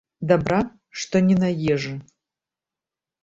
Дабра, што не на ежы.